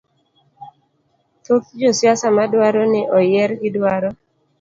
Thoth josiasa madwaro ni oyiergi, dwaro